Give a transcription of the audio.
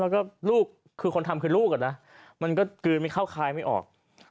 แล้วก็ลูกคือคนทำคือลูกอ่ะนะมันก็กลืนไม่เข้าคายไม่ออก